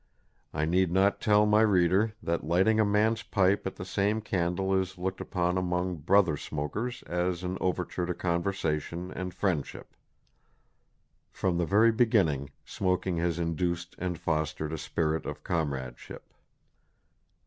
I need not tell my reader, that lighting a man's pipe at the same candle is looked upon among brother smoakers as an overture to conversation and friendship." From the very beginning smoking has induced and fostered a spirit of comradeship.